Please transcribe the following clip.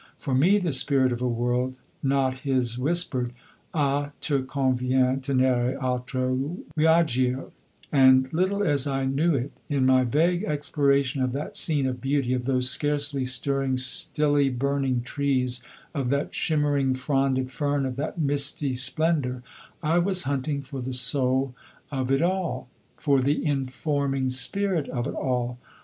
For me the spirit of a world not his whispered, "A te convien tenere altro viaggio," and little as I knew it, in my vague exploration of that scene of beauty, of those scarcely stirring, stilly burning trees, of that shimmering fronded fern, of that misty splendour, I was hunting for the soul of it all, for the informing spirit of it all.